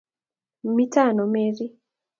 Mito ano Mary?